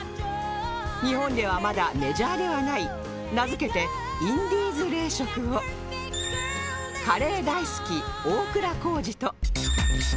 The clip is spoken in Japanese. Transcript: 日本ではまだメジャーではない名付けてインディーズ冷食をカレー大好き大倉孝二と